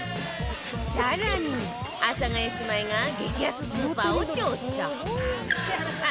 更に阿佐ヶ谷姉妹が激安スーパーを調査